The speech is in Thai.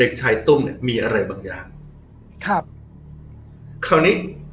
ชายตุ้มเนี้ยมีอะไรบางอย่างครับคราวนี้